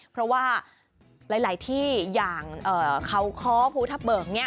เพราะว่าหลายที่อย่างเขาค้อภูทับเบิก